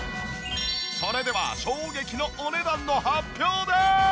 それでは衝撃のお値段の発表でーす！